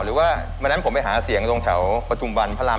หรือว่าเมื่อนั้นผมไปหาเสียงตรงแถวประถุมบันพระราม๑